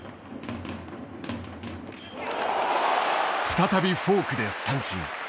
再びフォークで三振。